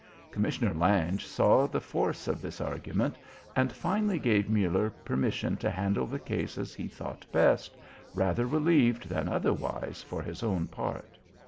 Commissioner Lange saw the force of this argument, and finally gave Muller permission to handle the case as he thought best, rather relieved than otherwise for his own part.